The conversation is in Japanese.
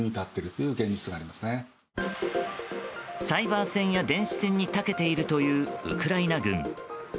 サイバー戦や電子戦に長けているというウクライナ軍。